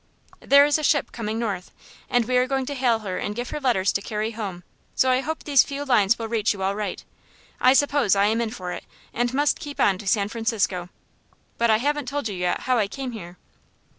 "There is a ship coming north, and we are going to hail her and give her letters to carry home, so I hope these few lines will reach you all right. I suppose I am in for it, and must keep on to San Francisco. But I haven't told you yet how I came here.